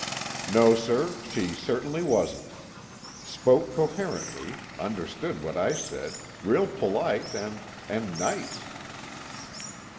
"No, sir, she certainly wasn't. Spoke coherently, understood what I said real polite and and nice."